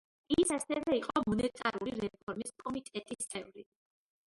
ის ასევე იყო მონეტარული რეფორმის კომიტეტის წევრი.